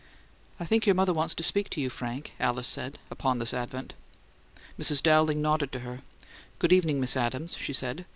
"I think your mother wants to speak to you, Frank," Alice said, upon this advent. Mrs. Dowling nodded to her. "Good evening, Miss Adams," she said.